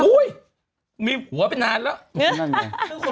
โอ้ยมีหัวไปนานแล้ว